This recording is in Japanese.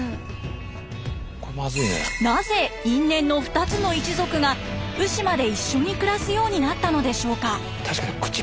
なぜ因縁の２つの一族が鵜島で一緒に暮らすようになったのでしょうか。